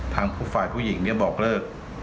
ทางฝ่ายผู้หญิงบอกเลิก